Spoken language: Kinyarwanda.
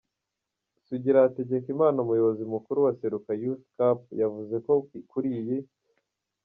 Sugira Hategekimana umuyobozi mukuru wa Seruka Youth Cup yavuze ko kuri iyi